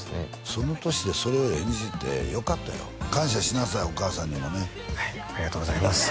その年でそれを演じてよかったよ感謝しなさいお母さんにもねはいありがとうございます